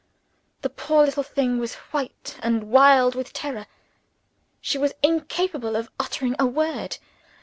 The poor little thing was white and wild with terror. She was incapable of uttering a word.